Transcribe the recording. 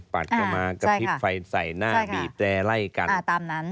ปาดกันมากระพริบไฟใส่หน้าบีบแต่ไล่กัน